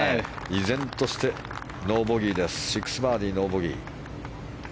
依然としてノーボギーで６バーディー、ノーボギー。